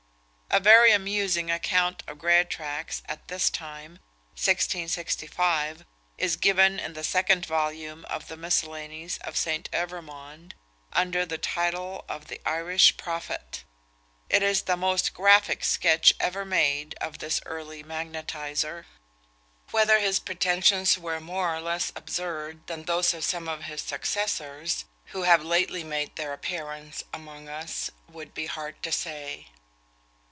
A very amusing account of Greatraks at this time (1665) is given in the second volume of the Miscellanies of St. Evremond, under the title of the Irish prophet. It is the most graphic sketch ever made of this early magnetiser. Whether his pretensions were more or less absurd than those of some of his successors, who have lately made their appearance among us, would be hard to say.